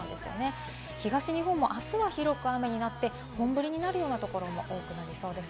東日本も明日は広く雨になって本降りになるようなところも多くなりそうです。